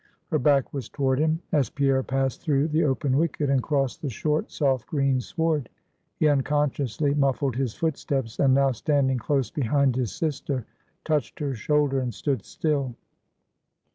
Her back was toward him. As Pierre passed through the open wicket and crossed the short soft green sward, he unconsciously muffled his footsteps, and now standing close behind his sister, touched her shoulder and stood still.